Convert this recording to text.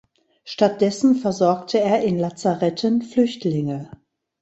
Stattdessen versorgte er in Lazaretten Flüchtlinge.